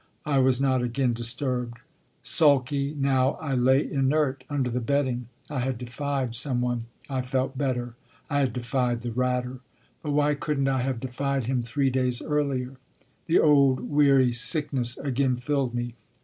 I was not again disturbed. Sulky, now, I lay inert under the bedding. I had defied some one I felt better. I had defied the Ratter. But why couldn t I have defied him three days earlier? The old, weary sickness again filled me.